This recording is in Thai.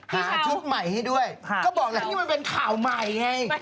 ชุดใหม่ให้ด้วยก็บอกแล้วนี่มันเป็นข่าวใหม่ไง